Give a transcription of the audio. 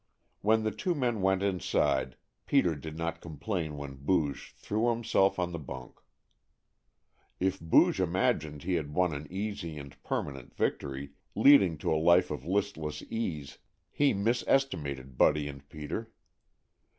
When the two men went inside Peter did not complain when Booge threw himself on the bunk. If Booge imagined he had won an easy and permanent victory, leading to a life of listless ease, he misestimated Buddy and Peter.